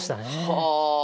はあ！